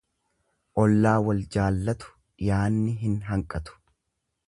Ollaa wal jaallatu dhiyaanni hin hanqatu.